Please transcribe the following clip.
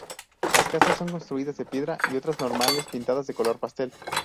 La casas son construidas de piedra y otras normales pintadas de color pastel.